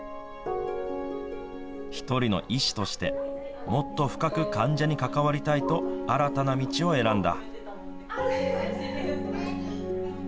１人の医師としてもっと深く患者に関わりたいと新たな道を選んだ。